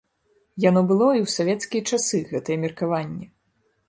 Яно было і ў савецкія часы гэтае меркаванне.